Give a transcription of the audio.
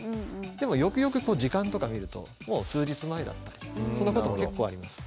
でもよくよく時間とか見ると数日前だったりそんなことも結構あります。